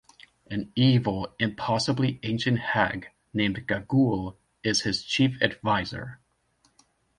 An evil, impossibly ancient hag named Gagool is his chief advisor.